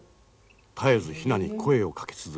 絶えずヒナに声をかけ続ける。